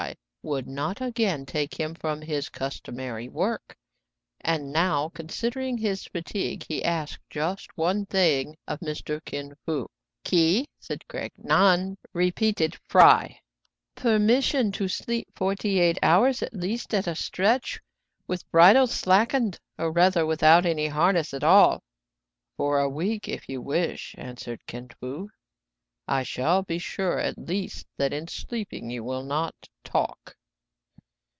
—" would not again take him from his custom ary work ; and now, considering his fatigue, he asked just one thing of Mr. Kin Fo "—" Ki "— said Craig. " Nan," repeated Fry. THE CELEBRATED LAMENT. 137 —" permission to sleep forty eight hours at least at a stretch, with bridle slackened, or rather without any harness at all." For a week if you wish," answered Kin Fo. " I shall be sure at least that in sleeping you will not talk."